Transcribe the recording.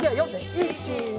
１２。